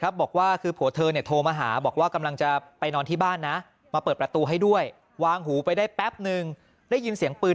แล้วตัวในกิ๊กเองจริงแล้วก็เป็นญาติ